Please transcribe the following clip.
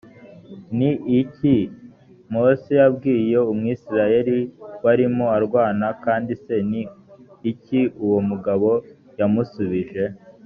ni iki mose yabwiye umwisirayeli warimo arwana kandi se ni iki uwo mugabo yamushubije